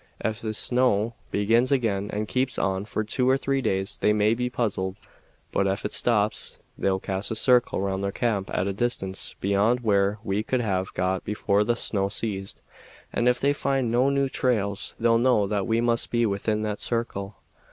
Ef this snow begins again and keeps on for two or three days they may be puzzled; but ef it stops they'll cast a circle round their camp at a distance beyond where we could have got before the snow ceased, and ef they find no new trails they'll know that we must be within that circle.